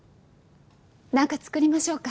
何か作りましょうか？